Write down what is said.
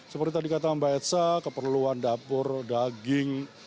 seperti tadi kata mbak edsa keperluan dapur daging